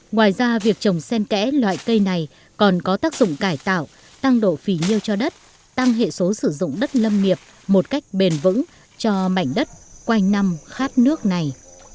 ngoài ra việc trồng sen kẽ loại cây này còn có tác dụng cải tạo tăng độ phỉ nhiêu cho đất tăng hệ số sử dụng đất lâm nghiệp một cách bền vững cho mảnh đất quanh năm khát nước này